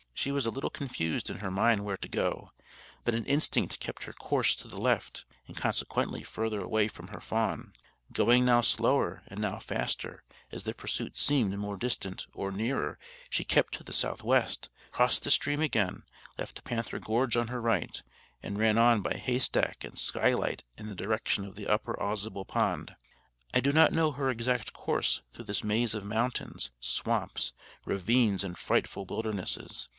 She was a little confused in her mind where to go; but an instinct kept her course to the left, and consequently further away from her fawn. Going now slower, and now faster, as the pursuit seemed more distant or nearer, she kept to the southwest, crossed the stream again, left Panther Gorge on her right, and ran on by Haystack and Skylight in the direction of the Upper Ausable Pond. I do not know her exact course through this maze of mountains, swamps, ravines, and frightful wildernesses.